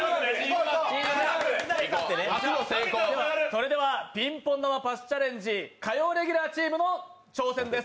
それではピンポン玉パスチャレンジ火曜レギュラーチームの挑戦です。